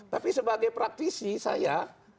tapi sebagai praktisi saya